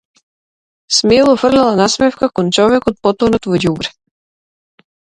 Смело фрла насмевка кон човекот потонат во ѓубре.